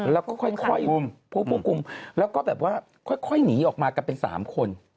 แล้วก็ค่อยคำพูมแล้วก็ค่อยหนีออกมากันเป็นสามคน